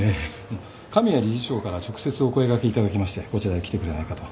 神谷理事長から直接お声掛けいただきましてこちらへ来てくれないかと。